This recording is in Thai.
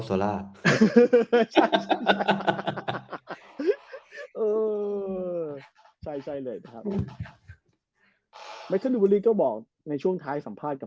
โซล่าใช่ใช่เออใช่ใช่เลยนะครับแมคเซอร์ดิวอลลีก็บอกในช่วงท้ายสัมภาษณ์กับ